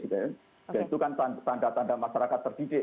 ya itu kan tanda tanda masyarakat terdidik